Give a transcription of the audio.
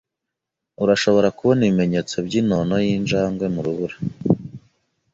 Urashobora kubona ibimenyetso byinono yinjangwe mu rubura.